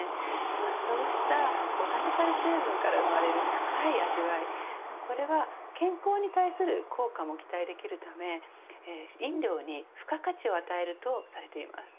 そうしたボタニカル成分から生まれる深い味わいはこれは健康に対する効果も期待できるため飲料に付加価値を与えるとされています。